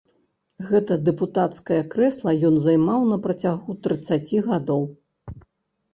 Гэта дэпутацкае крэсла ён займаў на працягу трыццаці гадоў.